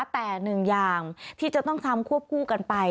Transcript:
แต่หนึ่งอย่างที่จะต้องทำควบคู่กันไป